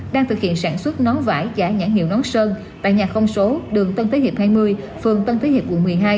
đang thực hiện sản xuất nón vải giả nhãn hiệu nón sơn tại nhà không số đường tân thế hiệp hai mươi phường tân thế hiệp quận một mươi hai